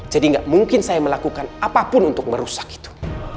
jadi tidak mungkin saya melakukan apapun untuk merusak itu